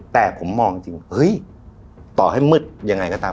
แต่ผมมองจริงเฮ้ยต่อให้มืดยังไงก็ตาม